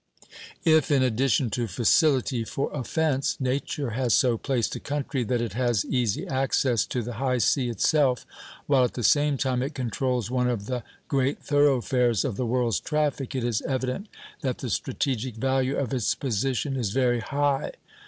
If, in addition to facility for offence, Nature has so placed a country that it has easy access to the high sea itself, while at the same time it controls one of the great thoroughfares of the world's traffic, it is evident that the strategic value of its position is very high.